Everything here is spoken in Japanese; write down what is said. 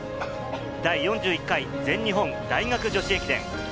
第４１回全日本大学女子駅伝。